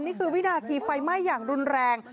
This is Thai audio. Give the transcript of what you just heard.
นี่คือวินาทีไฟไหม้อย่างรุนแรง